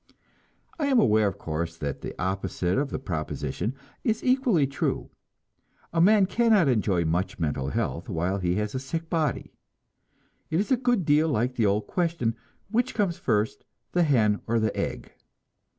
I am aware, of course, that the opposite of the proposition is equally true. A man cannot enjoy much mental health while he has a sick body. It is a good deal like the old question, Which comes first, the hen or the egg?